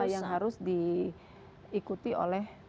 yang harus diikuti oleh